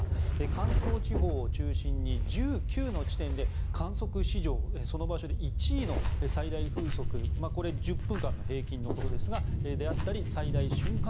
関東地方を中心に１９の地点で観測史上１位の最大風速１０分間の平均のことですが最大瞬間